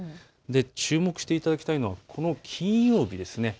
注目していただきたいのは金曜日です。